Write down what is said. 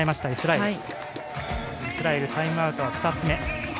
イスラエル、タイムアウト２つ目。